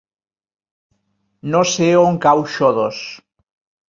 No sé on cau Xodos.